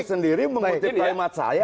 bung sendiri mengerti kalimat saya